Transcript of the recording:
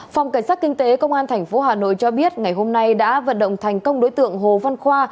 phòng cảnh sát kinh tế công an tp hà nội cho biết ngày hôm nay đã vận động thành công đối tượng hồ văn khoa